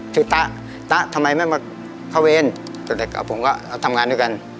ตะต๊ะทำไมไม่มาเข้าเวรแต่กับผมก็ทำงานด้วยกัน